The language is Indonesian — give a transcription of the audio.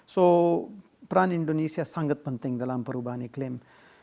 so peran indonesia sangat penting dalam perubahan iklim